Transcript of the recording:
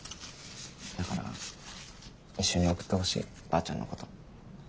だから一緒に送ってほしいばあちゃんのこと。